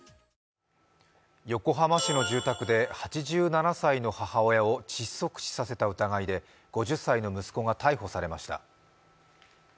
横浜市の住宅で８７歳の母親を窒息死させた疑いで５０歳の息子が逮捕されました。